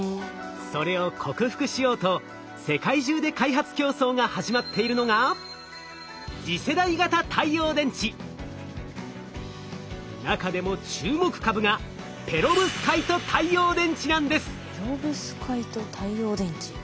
それを克服しようと世界中で開発競争が始まっているのが中でも注目株がペロブスカイト太陽電池。